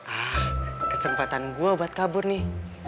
ah kesempatan gue buat kabur nih